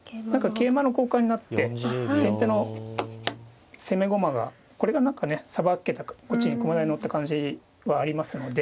桂馬の交換になって先手の攻め駒がこれが何かねさばけたこっちに駒台に載った感じはありますので。